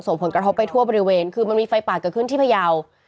ผลกระทบไปทั่วบริเวณคือมันมีไฟป่าเกิดขึ้นที่พยาว